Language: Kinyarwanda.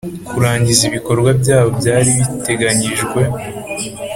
kurangiza ibikorwa byayo byari biteganyijwe